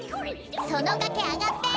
そのがけあがって！